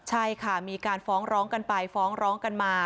ใช่ค่ะมีการฟ้องร้องกันไปฟ้องร้องกันมา